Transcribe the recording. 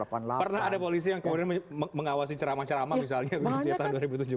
pernah ada polisi yang kemudian mengawasi ceramah ceramah misalnya begitu ya tahun dua ribu tujuh belas